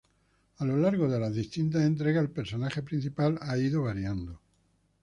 A lo largo de las distintas entregas el personaje principal ha ido variando.